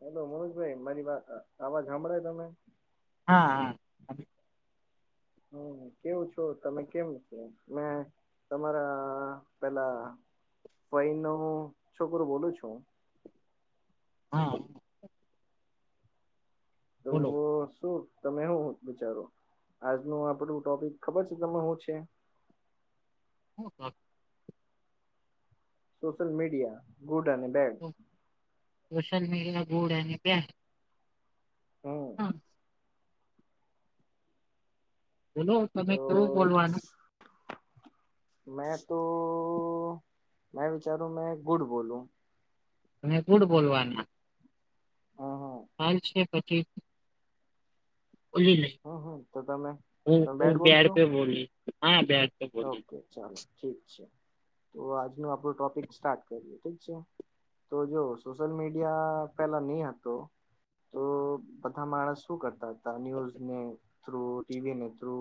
Hello મનોજભાઈ મારી વાત, અવાજ સંભળાય તમે હા.. હા હમ, કેવું છો? તમે કેમ છો? એમ તમારા, પેલા ફઈ નો છોકરો બોલું છું. હા.. બોલો? તો શું તમે હું વિચારો? આજનું આપડું ટોપિક ખબર છે તમે હુ છે? હા.. સોશિયલ મીડિયા ગુડ અને બેડ સોશિયલ મીડિયા ગુડ અને ક્યાં હમ હા.. બોલો, તમે તો કેવું બોલવાનું? મેં તો, એમ વિચારું મેં ગુડ બોલું તમે ગુડ બોલવાના? હમ હમ હાલ છે પછી બલી નઈ હમ હમ તો તમે તમે હુ-હું બેટ બેડ બોલશો પે બોલી, હા બેડ પે બોલી ઓકે ચાલો ઠીક છે, તો આજનો આપડો ટોપિક સ્ટાર્ટ કરીએ ઠીક છે. તો જો, સોશિયલ મીડિયા પેલા નહિ હતો તો બધા માણસ શું કરતા હતા? ન્યુઝને થ્રુ ટીવીને થ્રુ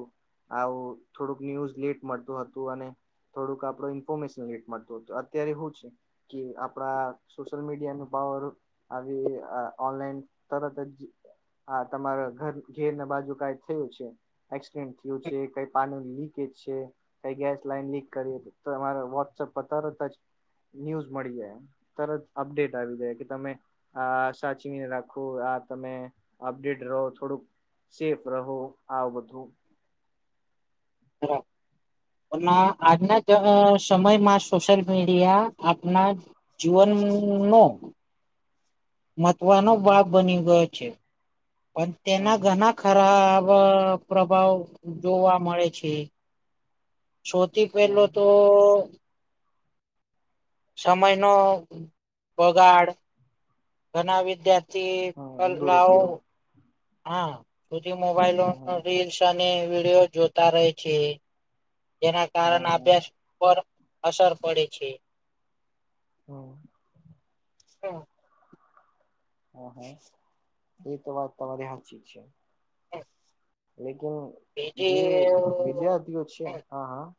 આવું થોડુંક ન્યુઝ લેટ મળતું હતું અને થોડુંક આપડું ઇન્ફોર્મેશન લેટ મળતું હતું અત્યારે હુ છે? કે, આપડા સોશિયલ મીડિયા નો પાવર આવી, આ ઓનલાઈન તરત જ હા, તમારા ઘર -ઘેર ના બાજુ કાંઈ થયું છે? એક્સિડેન્ટ થયું છે? કઈ પાણી ની લીકેજ છે? કઈ ગેસ લાઈન લીક કરી, એ તો અમારે વોટ્સએપ પર તરત જ ન્યૂઝ મળી જાય એમ તરત અપડેટ આવી જાય કે, તમે. આ સાચીવીને રાખું, આ તમે અપડેટ રહો થોડુંક. સેફ રહો, આવ બધું. બરાબર, પણ આજના જ. હમ સમયમાં સોશિયલ મીડિયા આપના જીવનનો મતવાનો હમ હમ બાપ બની ગયો છે, પણ તેના હમ ઘણા ખરાબ પ્રભાવ જોવા મળે છે. સૌથી પહેલો હમ તો. સમય નો બગાડ. ઘણા વિદ્યાર્થી હમ હમ કલાઓ, દુરુપયોગ હા. સુધી મોબાઈલો હમ હમ રીલ્સ અને વિડીયો જોતા રહે છે. જેના હમ કારણે હમ અભ્યાસ પર અસર પડે છે. હમ. હમ. હા, હા, એ તો વાત તમારી સાચી છે. લેકન જે બીજી વિદ્યાર્થીઓ છે, હા, હા.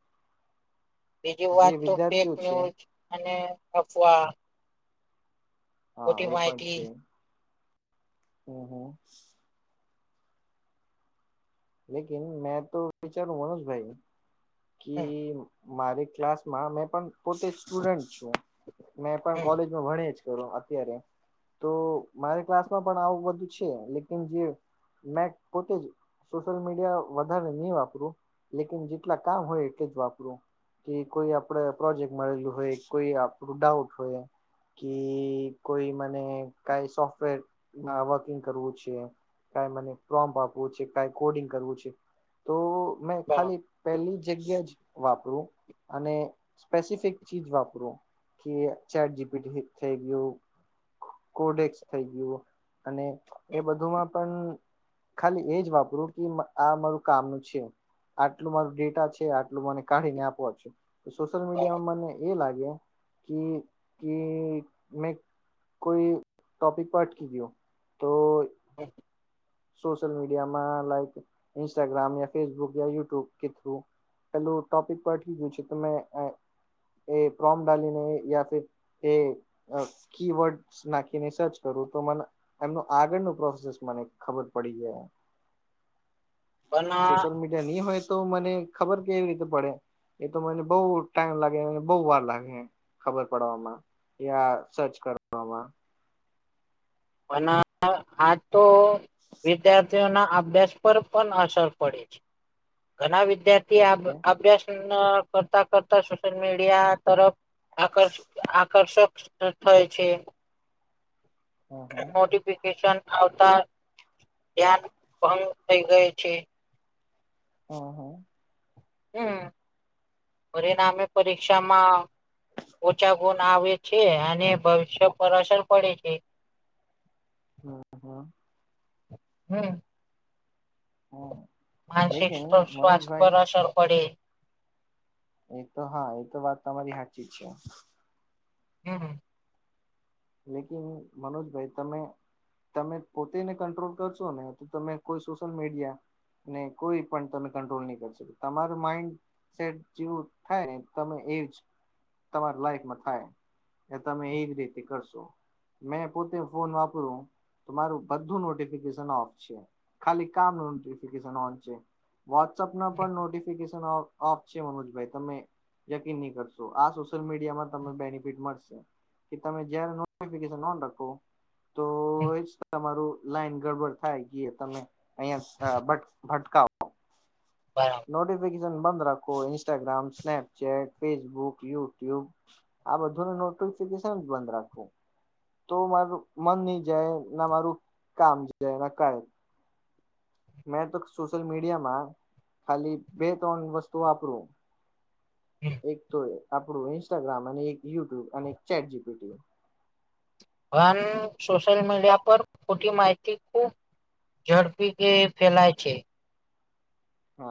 બીજી જે વાત તો ફેક વિદ્યાર્થીઓ છે ન્યુઝ અને અફવા. હા એ પણ મોટી-મોટી. છે હમ, હમ. લકિ મેં તો બેચારું મનુજભાઈ. કે મારી ક્લાસમાં મે પણ પોતે સ્ટુડન્ટ છું, મે પણ કોલેજ ભણે જ કરો, અત્યારે તો મારી ક્લાસમાં પણ આવું બધું છે, લેકન જે મેં પોતે જ સોશિયલ મીડિયા વધારે નહી વાપરું, લેકન જેટલા કામ હોય, એટલે જ વાપરું. કે કોઈ આપડે પ્રોજેક્ટ મળેલું હોય, કોઈ આપણું ડાઉટ હોય. કે કોઈ મને કઈ સોફ્ટવેર વર્કિંગ કરવું છે. ક મને પ્રોમ્પ આપવું છે, ક કોડિંગ કરવું છે, તો મેં ખાલી પહેલી જગ્યા જ વાપરું, અને સ્પેસિફિક ચીજ વાપરું. કે ચેટ જીપી થઈ ગયું, કોડેક્સ થઈ ગયું. અને એ બધુંમાં પણ ખાલી એજ વાપરું કે, આ મારું કામનું છે. આટલું મારું ડેટા છે, આટલું મને કાઢીને આપવા છે, સોશિયલ મીડિયામાં મને એ લાગે. ક ક મેં. કોઈ ટોપિક પાઠ કધ હો તો. ઓકે. સોશયલ મીડિયામાં લાઈક, ઇન્સ્ટાગ્રામ યા, ફેસબુક યા યટ્યુબ કે થ્રુ. પેલું ટોપિક પરઠી ગયું છે, તો મે એ પ્રોમ ડીને યા. [unintelligible] કીવર્ડ નાખીને સર્ચ કરું તો, મને એમનું આગળનું પ્રોસેસ મને. ખબર પડી ગ સોશિયલ પણ મીડિયા નહી હોય, તો મને ખબર કેવી રીતે પડે. એ તો મને બહુ ટાઈમ લાગે, મને બહુ વાર લાગે, ખબર પડવામાં. યા સર્ચ કરવામાં. પણ આ તો વિદ ના, અભ્યાસ પર પણ અસર પડે છે, ઘણા વિદ્યાર્થી ઓકે અભ્યાસ કરતા કરતા સોશિયલ મીડિયા તરફ આકર્ આકર્ષક. તથ હોય છે. હમ હમ નોટિફિકેશન આવતા ધ્યાન ભંગ થઈ ગઈ છે. હા હા. હમ પરિણામે પરીક્ષામાં. ઓછા ગુણ આવે છે અને ભવિષ્ય પર અસર પડે છે. હમ હમ. હમ. હમ લેકિન મનોજભાઈ. ચર પડીયે. એ તો હા એ તો વાત તમારી હાચી જ છે. હમ હમ. લેકિન મનોજ ભાઈ તમે. તમે પોતેને કંટ્રોલ કરશો ને તો તમે કોઈ સોશિયલ મીડિયા. ને કોઈ પણ તમે કંટ્રોલ નહી કરી શકો તમારું માઇન્ડ. સેટ જેવું થાય ને તમે એ જ. તમારી લાઈફમાં થાય એ તમે એજ રીતે કરશો. મેં પોતે ફોન વાપરું તો મારું બધું નોટફિકેશન ઓફ છે. ખાલી કામ નોટિફિકેશન ઓન છે. વોટ્સપના પણ નોટિફિકેસન ઓફ ઓફ છે. મનોજભાઈ તમે યકીન નહી કરશો આ સોશિયલ મીડિયામાં તમને બેનિફિટ મળશે. કે તમે જ્યાંરે નોટિફિકેશન ઓન રાખો તો એ જ તમારું લાઈન ગડબડ થાય ગીયે તમે અહિયાં સ અ બટ ભટ કાઓ. બરાબર. નોટિફિકેશન બંધ રાખો ઇન્સ્ટાગ્રામ, સ્નેપચેટ, ફેસબુક, યુટ્યુબ. આ બધુંને નોટિફિકેશન બંધ રાખવું. તો મારું મન ની જાય ના મારું કામ જાય એના કારણે. મેં તો સોશિયલ મીડિયામાં ખાલી બે ત્રણ વસ્તુ વાપરું. એક તો આપણું ઇન્સ્ટાગ્રામ અને એક યુટ્યુબ અને એક ચેટ જી પીટી. ભન સોશિયલ મીડિયા પર ખોટી માહિતી ખુબ ઝડપી કે ફેલાય છે.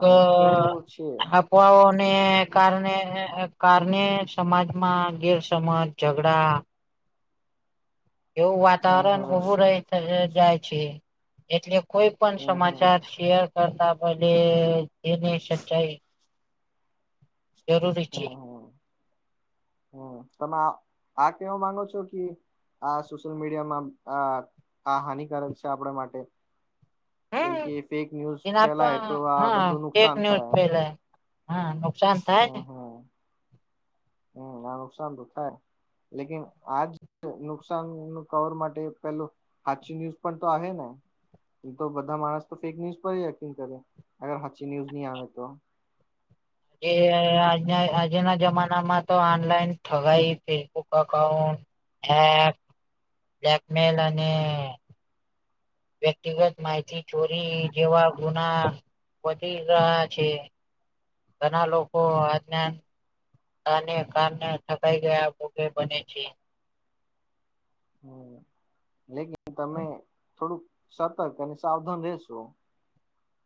તો એ આપ. છે આફ્વાઓને કારણે કારણે સમાજમાં ગેરસમજ ઝઘડા [inaudible] એવું હમ વાતાવરણ હમ ઉભું રહે. જાય છે એટલે કોઈ પણ હમ હમ સમાચાર શેર કરતા પેલે. એ એને સચ્ચાઈ. જરૂરી છે. હમ હમ હમ તમે આ આ કેવા માંગો છો કિ. આ સોશિયલ મીડિયામાં આ આ હાનિકારક છે આપણા માટે કેમ હમ કે ફેક ન્યૂઝ એના પર ફેલાય તો આ હા બધું ફેક નુકસાન ન્યૂઝ થાય. ફેલાય હા [inaudible] હમ ને હમ હમ આ નુકસાન તો થાય. લેકીન આજ તો નુકસાન નું કવર માટે પેલું હાચી ન્યૂઝ પણ તો આહે ને. તો બધા માણસ તો ફેક ન્યુઝ પર જ યકીન કરે અગર હાચી ન્યુઝ નહી આવે તો. એ આજના જમાનામાં તો ઓનલાઈન થાઈ ગાઈ, ફેસબુક એકાઉન્ટ. હે બ્લેકમેલ અને વ્યક્તિગત માહિતી ચોરી જેવા ગુના વધી રહ્યા છે. ઘણા લોકો આજના અને કામના થકાઈ ગયા, ભોગે બને છે. હમ, લેકીન તમે થોડુંક સતર્ક અને સાવધાન રહેશો.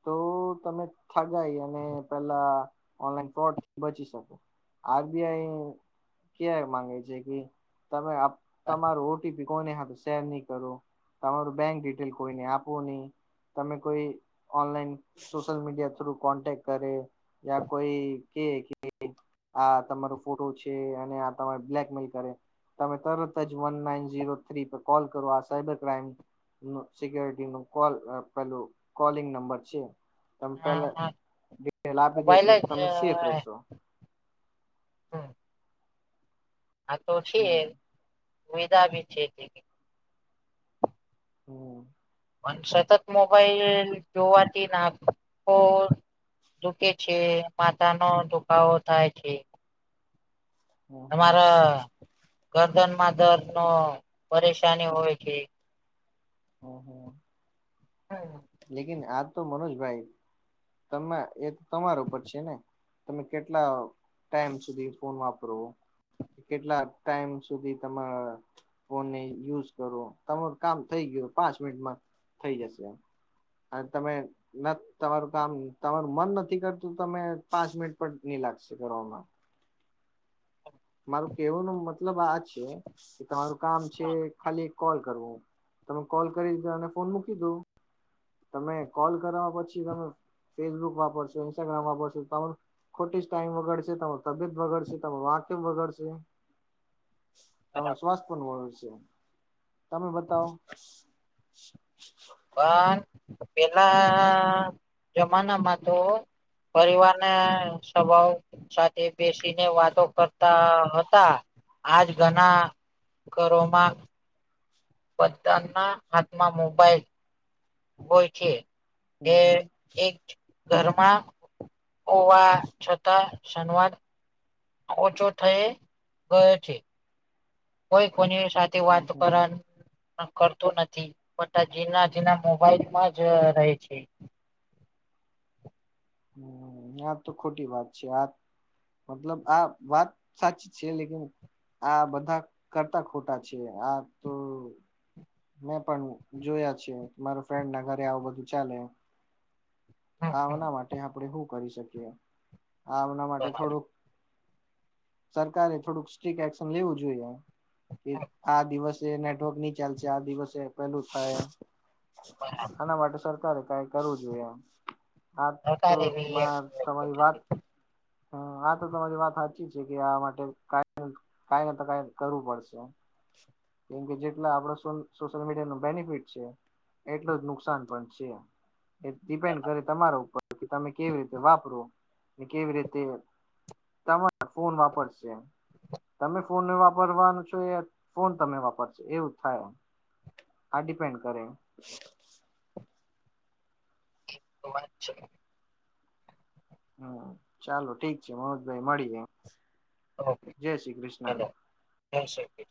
તો તમે થગાઈ અને પેલા ઓનલાઈન ફ્રોડથી બચી શકો. આરબીઆઈ ક્યારે માંગે છે કે, તમે તમાર ઓટીપી કોને હારૂ શેર નહી કરો, તમારું બેંક ડિટેલ કોઈને આપું નહી, તમે કોઈ online social media through contact કરે, યા કોઈ કે કે આ તમારો ફોટો છે, અને આ તમારે બ્લેકમેલ કરે. તમે તરત જ વન નાઇન ઝીરો થ્રી પર કોલ કરો, આ સાયબર ક્રાઈમ સિક્યુરિટી નો કોલ પેલું કોલિંગ નંબર છે. તમે પેલા હા ડિટેલ આપી દેેશો, મોબાઈલ જ તમે સેફ રહેશો. હા, તો છે, હમ સુવિધા ભી છે. હમ. પણ સતત મોબાઈલ જોવાથી નાખો. દુખે છે, માથાનો દુખાવો થાય છે. હમ હમ તમારા ગરદનમાં દર્દનો પરેશાની હોય છે. હમ હમ હા. લેકિન આજ તો, મનોજભાઈ એ તમારા ઉપર છે ને. તમે કેટલા ટાઈમ સુધી ફોન વાપરો? કેટલા ટાઈમ સુધી, તમારા ફોનને યુઝ કરો? તમારું કામ થઈ ગયું, પાંચ મિનિટમાં થઈ જશે, અને તમે ના, તમારું કામ તમારું મન નથી કરતું, તમે પાંચ મિનિટ પર નહી લાગશે કરવામાં. મારું કેવાનું મતલબ આ છે કે, તમારું કામ છે, ખાલી. કોલ કરવો, તમે કોલ કરી દો ને, ફોન મૂકી દો. તમે કોલ કરવા, પછી તમે ફેસબુક વાપરશો, ઇન્સ્ટાગ્રામ વાપરશો, તમારું ખોટી જ ટાઈમ બગડશે, તમારી તબિયત બગડશે, તમારું આંખો બગડશે‌. બરાબર. તમારું સ્વાસ્થ પણ વળું છે, તમે બતાવો. [unintelligible] પણ પેલા જમાનામાં તો પરિવાર ને સભાઓ. સાથે બેસીને વાતો કરતા હતા, આજ ઘણા ઘરોમાં. બધાના હાથમાં મોબાઈલ હોય છે. હમ હમ એ એક. ઘરમાં હોવા છતાં સંવાદ. ઓછો થઈ ગયો છે. કોઈ કોની સાથે હમ વાત હમ કરે. પણ કરતું નથી, બટ આ જીના-જીના મોબાઈલમાં જ રહે છે. હ, આ તો ખોટી વાત છે આ. મતલબ, આ વાત સાચી છે, લેક આ બધા કરતા ખોટા છે, આ તો મેં પણ જોયા છી, મારા ફ્રેન્ડ ના ઘરે આવું બધું ચાલે‌. હમ હમ આવના માટે આપણે હું કરી શકીએ. આમના માટે બરાબર થોડુંક સરકારે થોડુંક સ્ટ્રીક એક્શન લેવું જોઈએ આ દિવસે નેટવર્ક નહી ચાલશે ચ દિવસે પેલું થાય બરાબર આના માટે સર આ તો કાઈ કરવું જોઈએ એમ હા તો સરકારે એવી એક તમારી વાત હ આ તો તમારી વાત સાચી છે કે આ માટે કઈ નઈ તો કઈ કરવું પડશે કેમ કે જેટલા આપડ સોશિયલ મીડિયા ન બેનિફિટ છે એટલું જ નુકસાન પણ છે એ ડિપેન્ડ કરે તમારા ઉપર કે તમે કેવી રીતે વાપરો કેવી રીતે તમારે ફોન વાપરશે તમે ફોનને વાપરવાનું છો એ ફોન તમે વાપરશો એવું થાય આ ડિપેન્ડ કરે તો વાત છો હમ ચાલો ઠીક છે મનોજભાઈ મળી એમ ઓકે ચાલો હ છે ઓકે